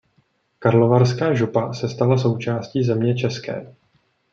Karlovarská župa se stala součástí Země České.